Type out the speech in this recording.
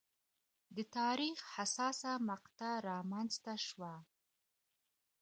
د تاریخ حساسه مقطعه رامنځته شوه.